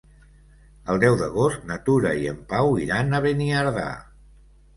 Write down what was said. El deu d'agost na Tura i en Pau iran a Beniardà.